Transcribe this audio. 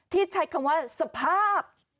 ที่ใช้คำว่าสภาพ